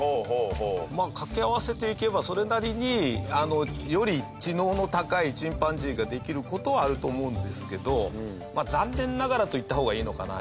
堤：掛け合わせていけばそれなりにより知能の高いチンパンジーができる事はあると思うんですけど残念ながらと言った方がいいのかな？